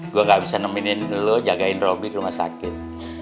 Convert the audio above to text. gue enggak bisa neminin lo jagain robi di rumah sakit